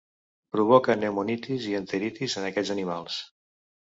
Provoca pneumonitis i enteritis en aquests animals.